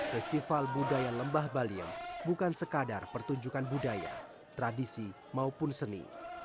festival budaya lembah baliem bukan sekadar pertunjukan budaya tradisi maupun seni